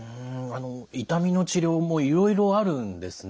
痛みの治療もいろいろあるんですね。